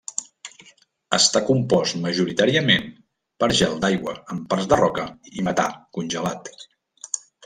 Està compost majoritàriament per gel d'aigua amb parts de roca i metà congelat.